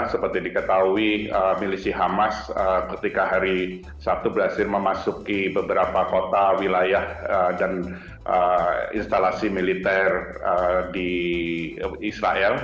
seperti diketahui milisi hamas ketika hari sabtu berhasil memasuki beberapa kota wilayah dan instalasi militer di israel